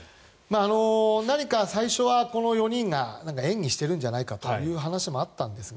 何か最初はこの４人が演技しているんじゃないかという話もあったんですが